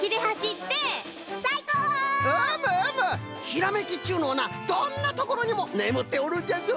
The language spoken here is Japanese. ひらめきっちゅうのはなどんなところにもねむっておるんじゃぞ。